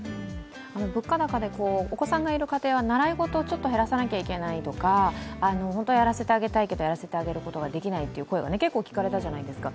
物価高でお子さんが習い事を減らせないといけないとか、やらせてあげたいけどやらせてあげることができないという声が結構聞かれたじゃないですか。